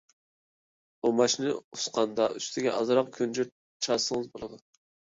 ئۇماچنى ئۇسقاندا، ئۈستىگە ئازراق كۈنجۈت چاچسىڭىز بولىدۇ.